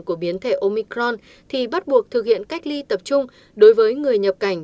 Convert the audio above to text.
của biến thể omicron thì bắt buộc thực hiện cách ly tập trung đối với người nhập cảnh